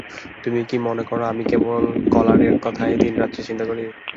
তুমি কি মনে কর আমি কেবল কলারের কথাই দিনরাত্রি চিন্তা করি।